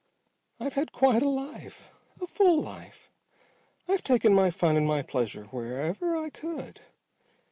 "I've had quite a life. A full life. I've taken my fun and my pleasure wherever I could.